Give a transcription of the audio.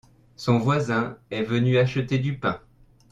Son voisin est venu acheter du pain.